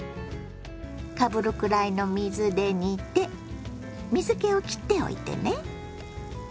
かぶるくらいの水で煮て水けをきっておいてね。